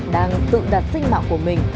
đang tự đặt sinh mạng của mình